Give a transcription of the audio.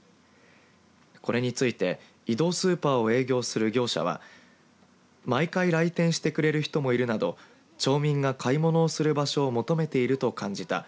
これについて移動スーパーを営業する業者は毎回来店してくれる人もいるなど町民が買い物する場所を求めていると感じた。